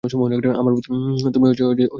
আমার প্রতি তুমি ক্ষমা পরবশ হও।